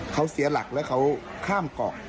เขาเสียหลักแล้วเขาข้ามเกาะ